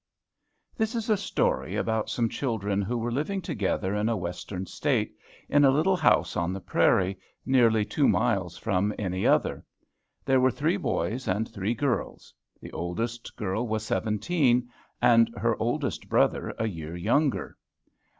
This is a story about some children who were living together in a Western State, in a little house on the prairie, nearly two miles from any other. There were three boys and three girls; the oldest girl was seventeen, and her oldest brother a year younger.